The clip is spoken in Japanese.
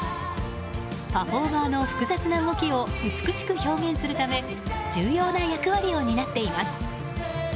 パフォーマーの複雑な動きを美しく表現するため重要な役割を担っています。